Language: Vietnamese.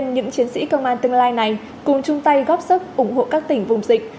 những chiến sĩ công an tương lai này cùng chung tay góp sức ủng hộ các tỉnh vùng dịch